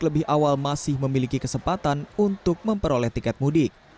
lebih awal masih memiliki kesempatan untuk memperoleh tiket mudik